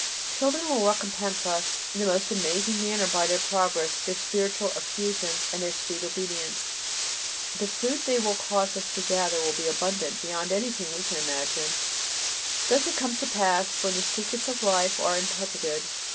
Children will recompense us in the most amazing manner by their progress, their spiritual effusions, and their sweet obedience. The fruit they will cause us to gather will be abundant beyond anything we can imagine. Thus it comes to pass when the secrets of life are interpreted.